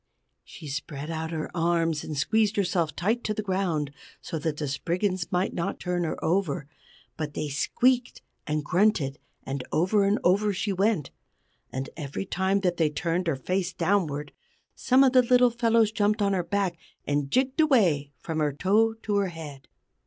She spread out her arms and squeezed herself tight to the ground, so that the Spriggans might not turn her over; but they squeaked and grunted, and over and over she went. And every time that they turned her face downward, some of the little fellows jumped on her back, and jigged away from her toe to her head.